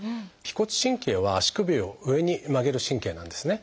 腓骨神経は足首を上に曲げる神経なんですね。